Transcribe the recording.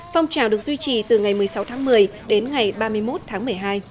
phong trào được duy trì từ ngày một mươi sáu tháng một mươi đến ngày ba mươi một tháng một mươi hai